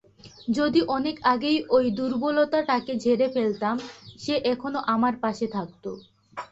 যদি অনেক আগেই ওই দূর্বলতাটাকে ঝেরে ফেলতাম, সে এখনো আমার পাশে থাকতো!